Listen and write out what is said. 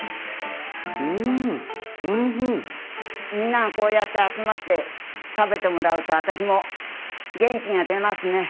みんながこうやって集まって食べてもらうと私も元気が出ますね。